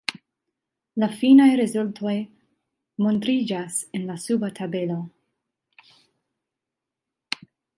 La finaj rezultoj montriĝas en la suba tabelo.